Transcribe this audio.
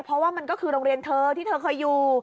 เพราะว่ามันก็คือโรงเรียนเธอที่เธอเคยอยู่